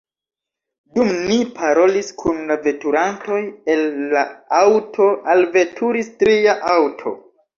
Dum ni parolis kun la veturantoj el la aŭto, alveturis tria aŭto.